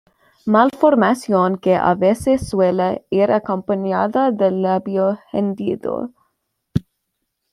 Malformación que a veces suele ir acompañada del labio hendido.